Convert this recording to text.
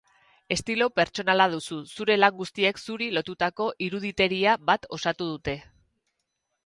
Estilo pertsonala duzu, zure lan guztiek zuri lotutako iruditeria bat osatu dute.